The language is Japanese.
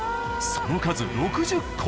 その数６０個。